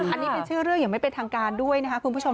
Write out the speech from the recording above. อันนี้เป็นชื่อเรื่องอย่างไม่เป็นทางการด้วยนะครับคุณผู้ชม